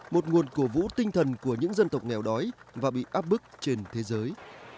một nguồn cổ vũ tinh thần của những dân tộc nghèo đói và bị áp bức trên thế giới